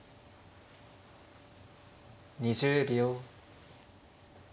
２０秒。